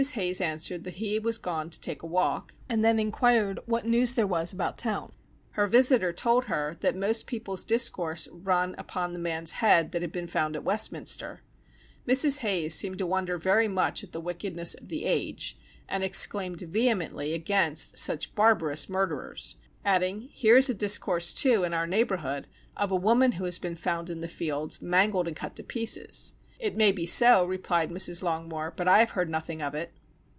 Hayes answered, that he was gone to take a walk, and then enquired what news there was about town. Her visitor told her that most people's discourse run upon the man's head that had been found at Westminster; Mrs. Hayes seemed to wonder very much at the wickedness of the age, and exclaimed vehemently against such barbarous murderers, adding, _Here is a discourse, too, in our neighbourhood, of a woman who has been found in the fields, mangled and cut to pieces. It may be so_, replied Mrs. Longmore, _but I have heard nothing of it.